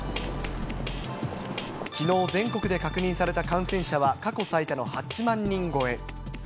きのう全国で確認された感染者は過去最多の８万人超え。